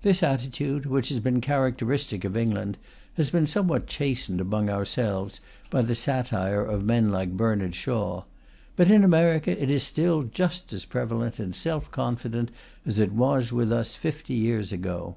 This attitude, which has been characteristic of England, has been somewhat chastened among ourselves by the satire of men like Bernard Shaw; but in America it is still just as prevalent and self confident as it was with us fifty years ago.